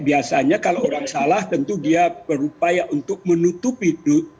biasanya kalau orang salah tentu dia berupaya untuk menutup hidup